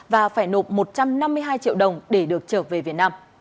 và phải nộp một trăm năm mươi hai triệu đồng để được trở về